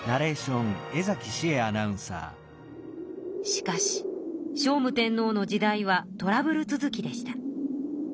しかし聖武天皇の時代はトラブル続きでした。